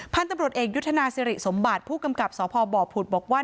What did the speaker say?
พันธุ์ตำรวจเอกยุทธนาสิริสมบัติผู้กำกับสพบผุดบอกว่า